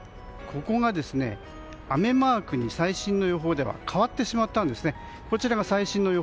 ここが雨マークに最新の予報では変わってしまったんですね。